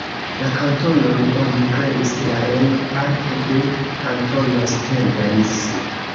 La kantonon oni kreis la el parto de Kantono Stevens.